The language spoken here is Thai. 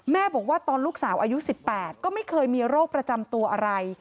บอกว่าตอนลูกสาวอายุ๑๘ก็ไม่เคยมีโรคประจำตัวอะไร